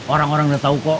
orang orang udah tahu kok